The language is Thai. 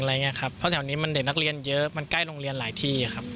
เพราะแถวนี้มันเด็กนักเรียนเยอะมันใกล้โรงเรียนหลายที่ครับ